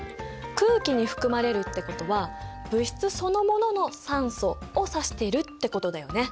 空気に含まれるってことは物質そのものの酸素を指しているってことだよね。